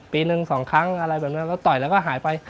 ปีหนึ่งสองครั้งอะไรแบบนี้แล้วต่อยแล้วก็หายไป